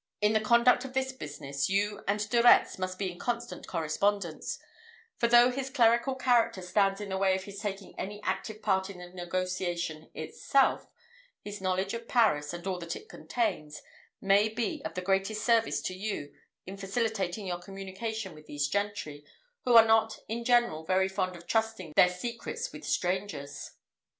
In the conduct of this business, you and De Retz must be in constant correspondence; for though his clerical character stands in the way of his taking any active part in the negotiation itself, his knowledge of Paris, and all that it contains, may be of the greatest service to you in facilitating your communication with these gentry, who are not in general very fond of trusting their secrets with strangers."